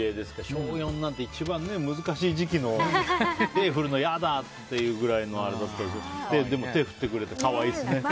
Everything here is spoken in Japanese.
小４なんて一番、難しい時期の振るの嫌だってくらいのあれだったでしょうけど手を振ってくれて可愛いですね。